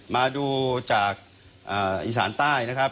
มาดูจากอีสานใต้นะครับ